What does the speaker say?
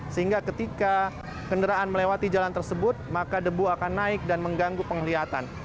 sehingga ketika kendaraan melewati jalan tersebut maka debu akan naik dan mengganggu penglihatan